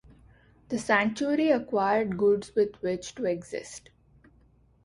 The Sanctuary acquired goods with which to exist.